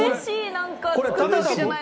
なんか作ったわけじゃないのに。